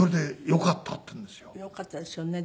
よかったですよね